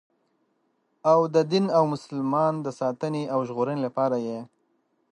او د دین او مسلمان د ساتنې او ژغورنې لپاره یې.